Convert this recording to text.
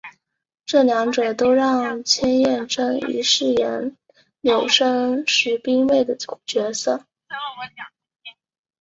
这两者都让千叶真一饰演柳生十兵卫的角色。